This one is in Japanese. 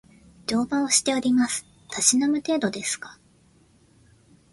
乗馬をしております。たしなむ程度ですが